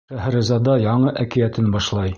Шәһрезада яңы әкиәтен башлай.